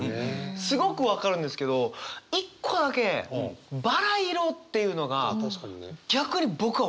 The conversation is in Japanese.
すごく分かるんですけど一個だけ「ばら色」っていうのが逆に僕は分からないというか。